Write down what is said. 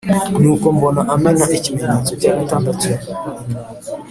Nuko mbona amena ikimenyetso cya gatandatu,